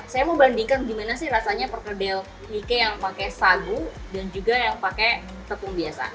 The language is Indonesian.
saya mau bandingkan gimana sih rasanya perkedel ike yang pakai sagu dan juga yang pakai tepung biasa